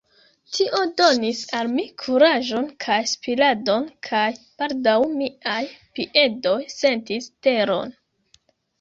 Tio donis al mi kuraĝon kaj spiradon, kaj baldaŭ miaj piedoj sentis teron.